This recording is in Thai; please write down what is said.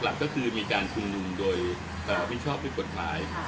ข้อหาลักก็คือมีการคุงนุมโดยวิชาปนีกฏหมาย